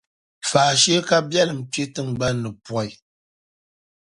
faashee kabiɛlli kpe tiŋgban’ ni pooi.